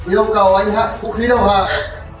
yêu cầu anh hạ vũ khí đầu hàng